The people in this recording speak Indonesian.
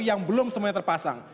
yang belum semuanya terpasang